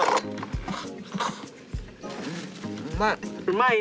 うまい。